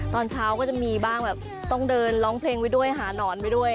ตอนเช้าก็จะมีบ้างแบบต้องเดินร้องเพลงไว้ด้วยหานอนไปด้วย